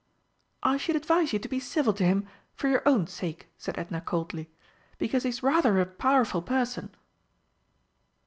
"I should advise you to be civil to him for your own sake," said Edna coldly, "because he's rather a powerful person."